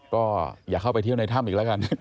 ก็อย่าเข้าไปเที่ยวในถ้ำอีกแล้วกัน